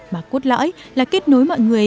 mà cốt lõi là kết nối mọi người